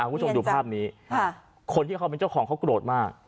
คุณผู้ชมดูภาพนี้คนที่เขาเป็นเจ้าของเขาโกรธมาก